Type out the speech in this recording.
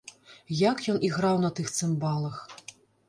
Як ён іграў на тых цымбалах!